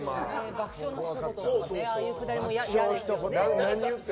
爆笑のひと言とかああいうくだりもね。